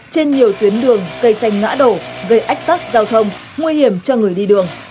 trên nhiều tuyến đường cây xanh ngã đổ gây ách tắc giao thông nguy hiểm cho người đi đường